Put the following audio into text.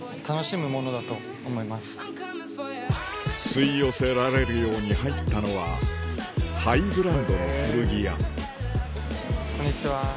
吸い寄せられるように入ったのはハイブランドの古着屋こんにちは。